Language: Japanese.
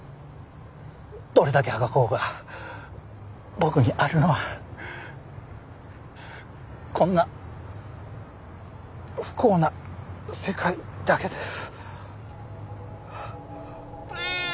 どれだけあがこうが僕にあるのはこんな不幸な世界だけです。